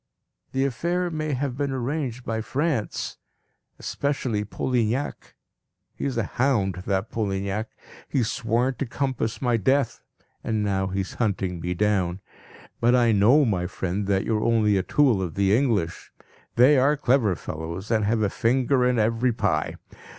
The affair may have been arranged by France especially Polignac he is a hound, that Polignac! He has sworn to compass my death, and now he is hunting me down. But I know, my friend, that you are only a tool of the English. They are clever fellows, and have a finger in every pie.